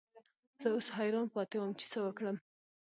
زه اوس حیران پاتې وم چې څه وکړم.